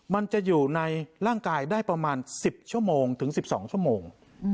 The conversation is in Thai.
มันจะอยู่ในร่างกายได้ประมาณ๑๐ชั่วโมงถึง๑๒ชั่วโมง